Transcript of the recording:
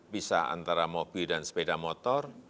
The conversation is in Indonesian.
bisa antara mobil dan sepeda motor